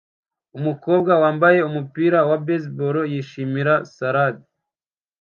Umukobwa wambaye umupira wa baseball yishimira salade